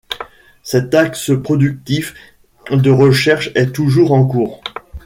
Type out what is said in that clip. Cet axe productif de recherches est toujours en cours.